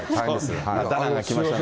ダナンがきましたね。